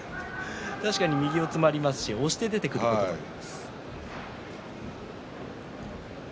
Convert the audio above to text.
確かに右四つもありますし押して出てくることもあります。